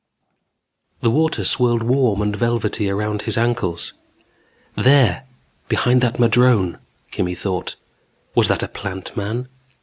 _The water swirled warm and velvety around his ankles. There, behind that madrone, Kimmy thought. Was that a Plant Man?